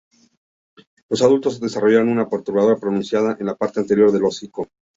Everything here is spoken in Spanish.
Los adultos desarrollan una protuberancia pronunciada en la parte anterior al hocico.